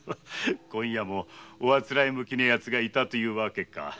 今夜もおあつらえ向きのヤツがいたというわけか。